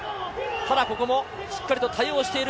ただここもしっかり対応している。